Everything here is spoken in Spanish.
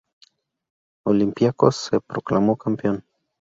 Olympiacos se proclamó campeón.